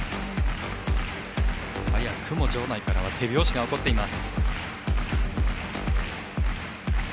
早くも場内からは手拍子が起こっています。